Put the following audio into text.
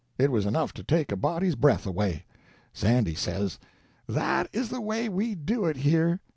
It was enough to take a body's breath away. Sandy says,— "That is the way we do it here.